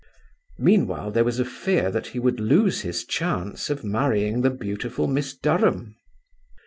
Meanwhile there was a fear that he would lose his chance of marrying the beautiful Miss Durham.